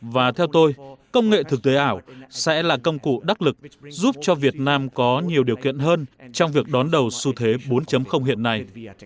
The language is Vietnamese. và theo tôi công nghệ thực tế ảo sẽ là công cụ đắc lực giúp cho việt nam có nhiều điều kiện hơn trong việc đón đầu xu thế bốn hiện nay